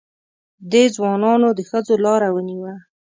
دې ځوانانو د ښځو لاره ونیوه.